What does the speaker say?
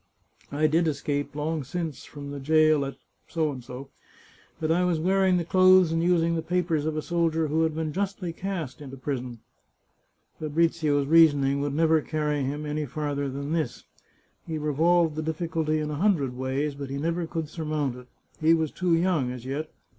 I did escape, long since, from the jail at B , but I was wearing the clothes and using the papers of a soldier who had been justly cast into prison." Fabrizio's reasoning would never carry him any farther than this. He revolved the difficulty in a hundred ways, but he never could surmount it. He was too young as yet.